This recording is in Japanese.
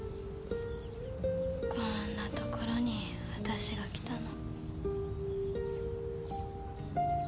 こんな所に私が来たの。